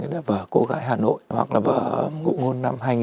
đó là vở cô gái hà nội hoặc là vở ngụ ngôn năm hai nghìn